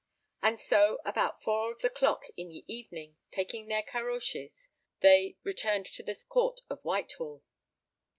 And so about 4 of the clock in the evening, taking their caroches, they returned to the Court to Whitehall.